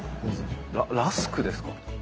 ララスクですか？